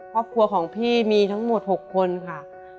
ครอบครัวของพี่มีทั้งหมด๖คนค่ะ